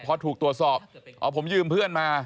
พอถูกตรวจสอบอ๋อผมยืมเพื่อนมา